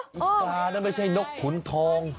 อีกานั้นไม่ใช่นกขุนทอง